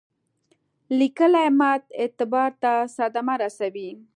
لیکلي متن اعتبار ته صدمه رسوي.